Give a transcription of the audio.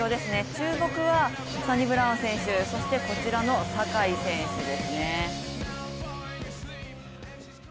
注目はサニブラウン選手、そしてこちらの坂井選手ですね。